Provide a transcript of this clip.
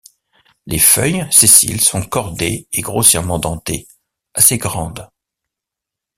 Les feuilles, sessiles, sont cordées et grossièrement dentées, assez grandes.